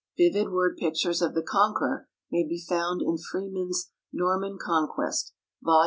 Vivid word pictures of the Conqueror may be found in Freeman's "Norman Conquest," Vol.